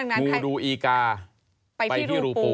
ครูดูอีกาไปที่รูปู